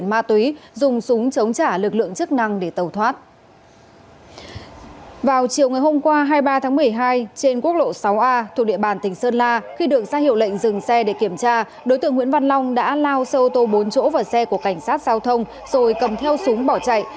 khi đường sang hiệu lệnh dừng xe để kiểm tra đối tượng nguyễn văn long đã lao xe ô tô bốn chỗ vào xe của cảnh sát giao thông rồi cầm theo súng bỏ chạy